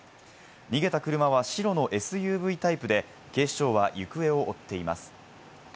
逃げた車は白のＳＵＶタイプで、警視庁は行方を追っています。